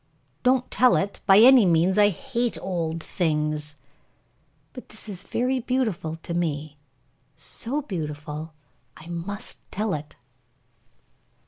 "Don't tell it, by any means. I hate old things." "But this is very beautiful to me so beautiful I must tell it."